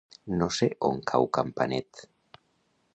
No sé on cau Campanet.